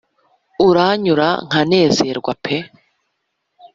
uranyura nkanezerwa pe